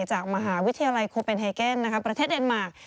จากมหาวิทยาลัยโคเป็นไฮเกนประเทศเดนมาร์